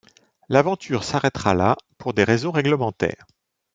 L'aventure s'arrêtera là pour des raisons réglementaires.